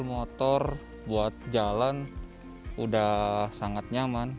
motor buat jalan udah sangat nyaman